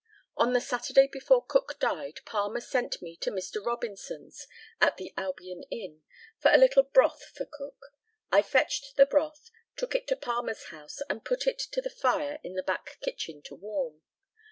On the Saturday before Cook died Palmer sent me to Mr. Robinson's, at the Albion Inn, for a little broth for Cook. I fetched the broth, took it to Palmer's house, and put it to the fire in the back kitchen to warm.